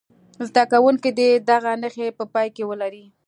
زده کوونکي دې دغه نښې په پام کې ولري.